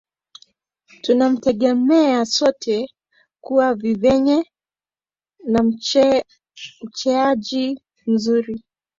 Tunamtegemelya soti kuwa vyeye ni mcheaji mzuri